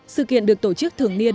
sự kiện được tổ chức thường niên